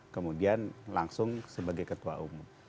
kemudian langsung sebagai ketua umum